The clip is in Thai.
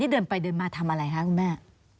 ทำอะไรฟังเอ่อ